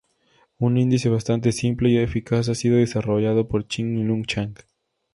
Un índice bastante simple y eficaz ha sido desarrollado por Chin-Lung Chang.